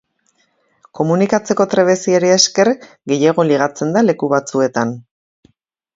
Komunikatzeko trebeziari esker gehiago ligatzen da leku batzuetan.